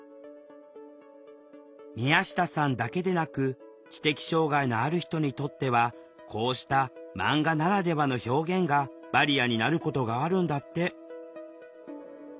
宮下さんだけでなく知的障害のある人にとってはこうした「マンガならではの表現」がバリアになることがあるんだって。